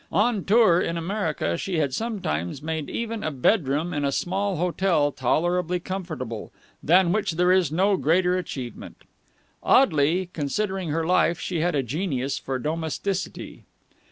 On tour in America, she had sometimes made even a bedroom in a small hotel tolerably comfortable, than which there is no greater achievement. Oddly, considering her life, she had a genius for domesticity.